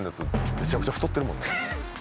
めちゃくちゃ太ってるもんね